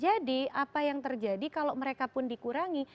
jadi apa yang terjadi kalau mereka pun dikurangi